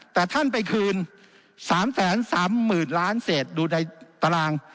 แต่ท่านไปคืนสามแสนสามหมื่นล้านเศษดูในตาราง